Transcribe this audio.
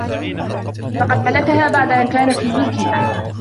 فَقَدْ مَلَكَهَا بَعْدَ أَنْ كَانَ فِي مِلْكِهَا